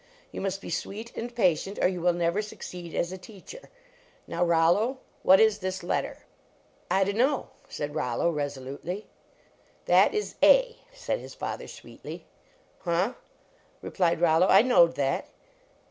You must be sweet and patient, or you will never succeed as a teacher. Now, Rollo, what is this letter? " "I dunno," said Rollo, resolutely. "That is A," said his father, sweetly. "Huh," replied Rollo, " I knowed that."